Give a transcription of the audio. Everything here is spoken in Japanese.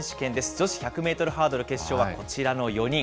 女子１００メートルハードル決勝はこちらの４人。